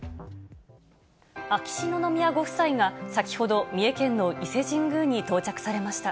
秋篠宮ご夫妻が先ほど、三重県の伊勢神宮に到着されました。